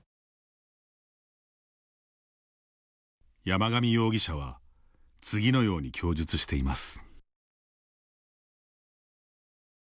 山上容疑者は次のように供述しています。